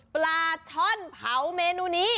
ปลาช่อนเผาเมนูนี้